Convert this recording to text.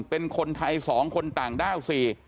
เป็นคนไทย๒คนต่างด้าว๔